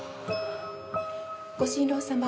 ご新郎様。